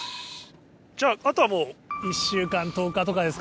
じゃああとはもう１週間１０日とかですか？